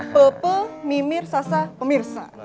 pepe mimir sasa pemirsa